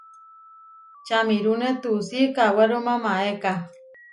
Čamirúne tuusí kawéruma maéka.